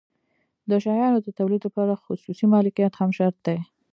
د شیانو د تولید لپاره خصوصي مالکیت هم شرط دی.